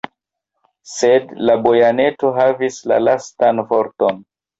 Sed la bajoneto havis la lastan vorton.